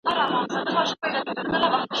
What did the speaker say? که موضوع ستا د خوښې وي نو کار به ډېر ژر بشپړ سي.